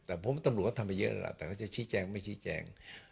แต่ผมตำรวจเขาทำไปเยอะแล้วแต่เขาจะชี้แจงไม่ชี้แจง